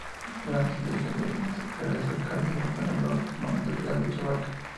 Durante el viaje de regreso al Callao, fue nombrado comandante de dicha barca.